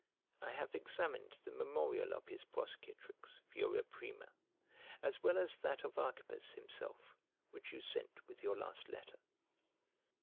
I have examined the memorial of his prosecutrix, Furia Prima, as well as that of Archippus himself, which you sent with your last letter.